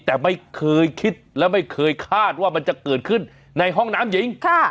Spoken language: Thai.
แต่ไม่เคยคิดและไม่เคยคาดว่ามันจะเกิดขึ้นในห้องน้ำหญิง